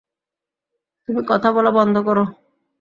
তুমি কথা বলা বন্ধ কর।